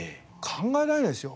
考えられないですよ。